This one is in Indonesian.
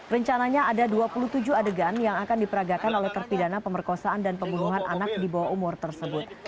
rencananya ada dua puluh tujuh adegan yang akan diperagakan oleh terpidana pemerkosaan dan pembunuhan anak di bawah umur tersebut